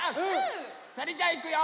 それじゃあいくよ！